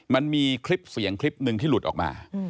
มันมีคลิปเสียงคลิปหนึ่งที่หลุดออกมา